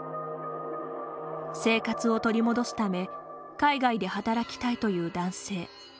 生活を取り戻すため海外で働きたいという男性。